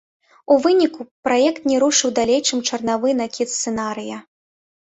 У выніку праект не рушыў далей чым чарнавы накід сцэнарыя.